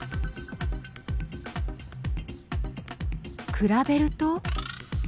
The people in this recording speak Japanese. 比べると。